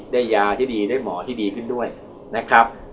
ยาที่ดีได้หมอที่ดีขึ้นด้วยนะครับ